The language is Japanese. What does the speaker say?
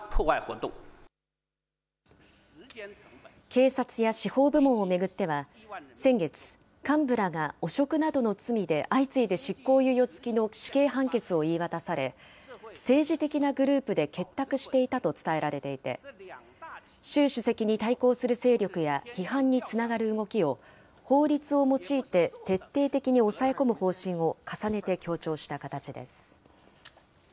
警察や司法部門を巡っては先月、幹部らが汚職などの罪で相次いで執行猶予付きの死刑判決を言い渡され、政治的なグループで結託していたと伝えられていて、習主席に対抗する勢力や批判につながる動きを、法律を用いて徹底的に抑え込む方針を重ねて強調した形です。